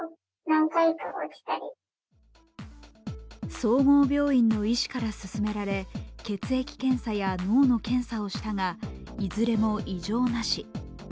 総合病院の医師から勧められ血液検査や脳の検査をしたが、いずれも異常なし。